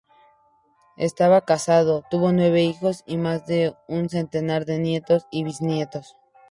Estaba casado, tuvo nueve hijos y más de un centenar de nietos y bisnietos.